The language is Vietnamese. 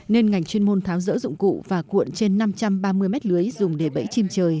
nên ngành chuyên môn tháo rỡ dụng cụ và cuộn trên năm trăm ba mươi mét lưới dùng để bẫy chim trời